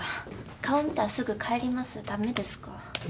顔見たらすぐ帰りますダメですか？